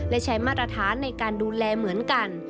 และใช้มาตรฐานในการดูแลเหมือนกัน